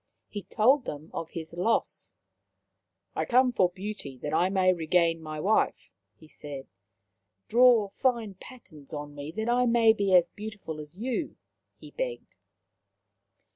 He told them of his loss. " I come for beauty, that I may regain my wife," he said. " Draw fine patterns on me, that I may be as beautiful as you," he begged.